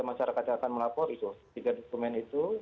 ya maksudnya kalau masyarakat akan melapor itu tiga dokumen itu